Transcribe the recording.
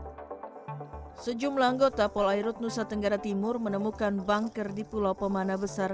sejumlah anggota polairut nusa tenggara timur menemukan banker di pulau pemana besar